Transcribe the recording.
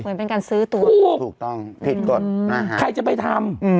เหมือนเป็นการซื้อตัวถูกถูกต้องผิดกฎหมายใครจะไปทำ